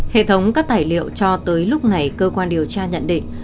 hệ thống các tài liệu cho tới lúc này cơ quan điều tra nhận định